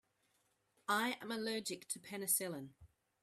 I am allergic to penicillin.